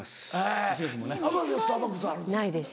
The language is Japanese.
ないです。